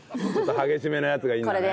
激しめのやつがいいんだね。